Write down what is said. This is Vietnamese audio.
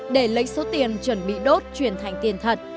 để lấy số tiền chuẩn bị đốt chuyển thành tiền thật